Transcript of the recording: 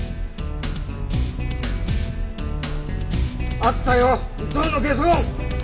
あったよ伊藤のゲソ痕！